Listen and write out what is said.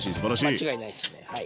間違いないっすね。